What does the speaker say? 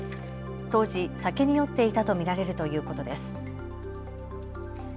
当時、酒に酔っていたと見られるということです。